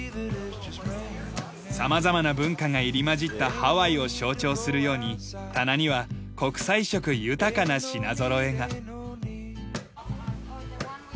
様々な文化が入り交じったハワイを象徴するように棚には国際色豊かな品ぞろえが。